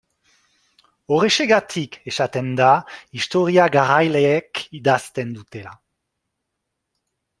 Horrexegatik esaten da historia garaileek idazten dutela.